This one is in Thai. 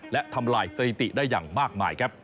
และทำลายสถิติได้อย่างมากมายครับ